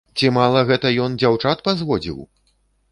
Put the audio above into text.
Ці мала гэта ён дзяўчат пазводзіў?!